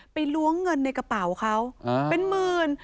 ล้วงเงินในกระเป๋าเขาเป็นหมื่น